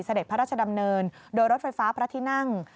เสด็จพระราชดำเนินโดยรถไฟฟ้าพระที่นั่ง